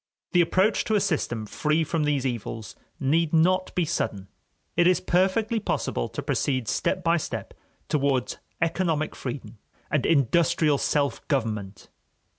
The approach to a system free from these evils need not be sudden; it is perfectly possible to proceed step by step towards economic freedom and industrial self government.